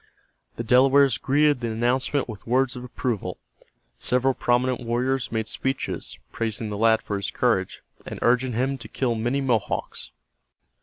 The Delawares greeted the announcement with words of approval. Several prominent warriors made speeches praising the lad for his courage, and urging him to kill many Mohawks.